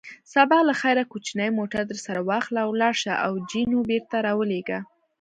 سبا له خیره کوچنی موټر درسره واخله، ولاړ شه او جینو بېرته را ولېږه.